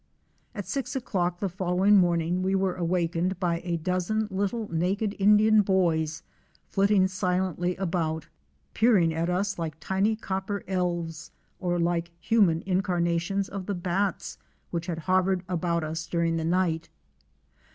At six o'clock the following morning we were awakened by a dozen little naked Indian boys flitting silently about, peering at us like tiny copper elves, or like human incarnations of the bats which had hovered about us during the night.